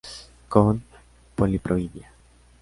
Con poliploidía.